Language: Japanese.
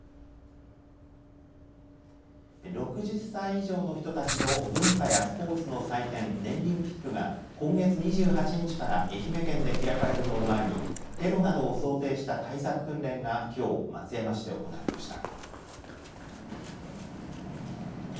６０歳以上の人たちの文化やスポーツの祭典ねんりんピックが今月２８日から愛媛県で開かれるのを前にテロなどを想定した対策訓練がきょう松山市で行われました。